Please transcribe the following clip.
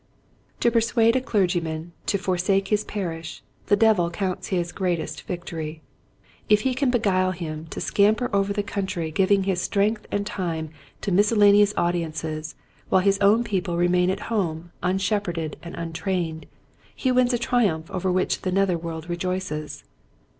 To persuade a clergyman to forsake his parish the Devil counts his greatest victory. If he can beguile him to scamper over the country giving his strength and time to miscellaneous audiences while his own peo ple remain at home unshepherded and un trained, he wins a triumph over which the nether world rejoices.